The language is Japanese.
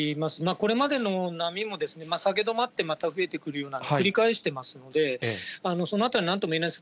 これまでの波も下げ止まって、また増えてくるような、繰り返してますので、そのあたりはなんとも言えないです。